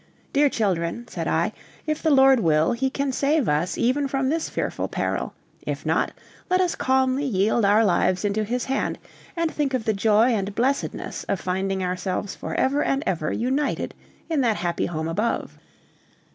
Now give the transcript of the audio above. "Dear children," said I, "if the Lord will, he can save us even from this fearful peril; if not, let us calmly yield our lives into his hand, and think of the joy and blessedness of finding ourselves forever and ever united in that happy home above."